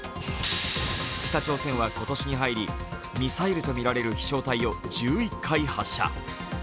北朝鮮は今年に入りミサイルとみられる飛しょう体を１１回発射。